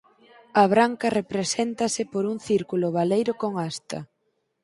A branca represéntase por un círculo baleiro con hasta.